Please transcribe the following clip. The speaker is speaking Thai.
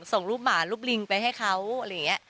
ส่งรูปหมารูปลิงไปให้เขาอะไรอย่างนี้